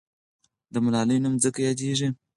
د ملالۍ نوم ځکه یاديږي.